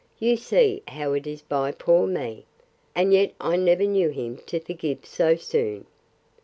—You see how it is by poor me!—And yet I never knew him to forgive so soon.